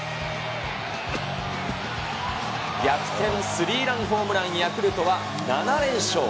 スリーランホームラン、ヤクルトは７連勝。